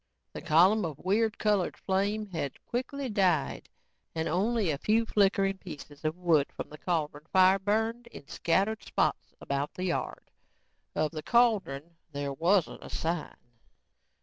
The column of weird colored flame had quickly died and only a few flickering pieces of wood from the cauldron fire burned in scattered spots about the yard. Of the cauldron, there wasn't a sign.